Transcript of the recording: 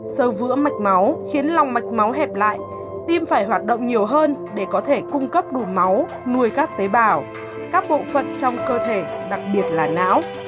sơ vữa mạch máu khiến lòng mạch máu hẹp lại tim phải hoạt động nhiều hơn để có thể cung cấp đủ máu nuôi các tế bào các bộ phận trong cơ thể đặc biệt là não